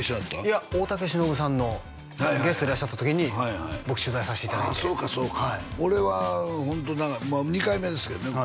いや大竹しのぶさんのゲストでいらっしゃった時に僕取材させていただいてああそうかそうか俺はホント２回目ですけどね